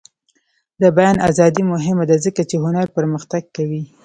د بیان ازادي مهمه ده ځکه چې هنر پرمختګ کوي.